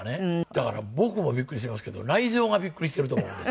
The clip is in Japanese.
だから僕もビックリしてますけど内臓がビックリしてると思うんですよ。